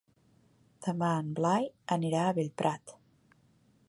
Demà en Blai anirà a Bellprat.